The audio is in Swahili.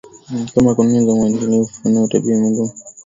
kama kanuni kuu za Maadili na ufunuo wa tabia ya Mungu kama vile ilivyokuwa